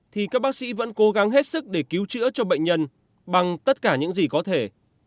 thì các bác sĩ vẫn cố gắng hết sức để cứu chữa cho bệnh nhân bằng tất cả những gì có thể